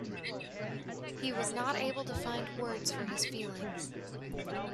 He was not able to find words for his feelings.